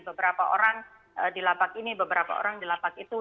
beberapa orang di lapak ini beberapa orang di lapak itu